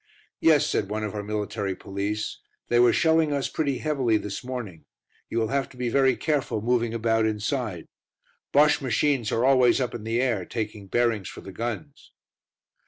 "Yes," said one of our military police, "they were shelling us pretty heavily this morning: you will have to be very careful moving about inside. Bosche machines are always up in the air, taking bearings for the guns."